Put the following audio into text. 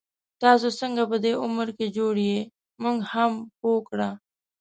تاسو څنګه په دی عمر کي جوړ يې، مونږ هم پوه کړه